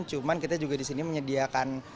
cuman kita juga di sini menyediakan